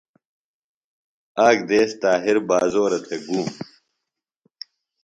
آک دیس طاہر بازورہ تھےۡ گوم۔